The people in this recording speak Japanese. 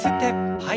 はい。